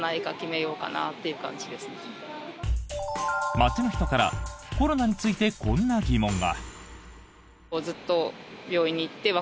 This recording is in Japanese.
街の人からコロナについてこんな疑問が。